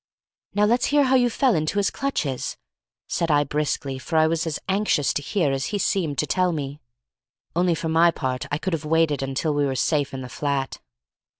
"Now let's hear how you fell into his clutches," said I, briskly, for I was as anxious to hear as he seemed to tell me, only for my part I could have waited until we were safe in the flat.